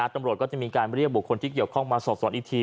ตำรวจก็จะมีการเรียกบุคคลที่เกี่ยวข้องมาสอบสวนอีกที